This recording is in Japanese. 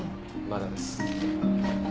まだです。